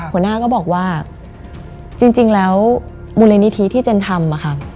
หัวหน้าก็บอกว่าจริงแล้วมูลนิธิที่เจนทำอะค่ะ